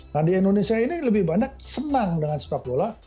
nah di indonesia ini lebih banyak senang dengan sepak bola